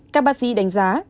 các bác sĩ đánh giá